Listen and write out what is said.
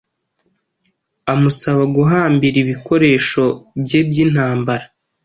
Amusaba guhambira ibikoresho bye byintambara